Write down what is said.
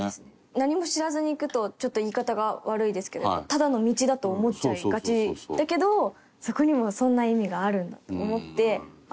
何も知らずに行くとちょっと言い方が悪いですけどただの道だと思っちゃいがちだけどそこにも。